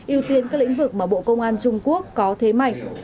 ưu tiên các lĩnh vực mà bộ công an trung quốc có thế mạnh